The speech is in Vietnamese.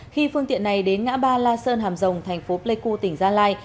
khi phương tiện này đến ngã ba la sơn hàm rồng tp lê cưu tỉnh gia lai